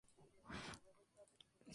Bolus nace en Nottingham, Inglaterra.